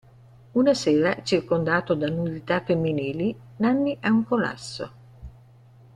Una sera, circondato da nudità femminili, Nanni ha un collasso.